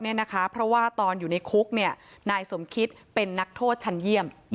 เพราะว่าตอนอยู่ในคุกนายสมคิตเป็นนักโทษชั้นเยี่ยม